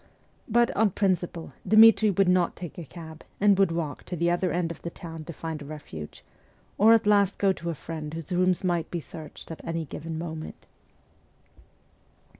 But, on principle, Dmitri would not take a cab, and would walk to the other end of the town to find a refuge, or at last go to a friend whose rooms might be searched at any given moment.